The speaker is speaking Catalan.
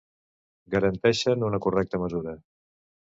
garanteixen una correcta mesura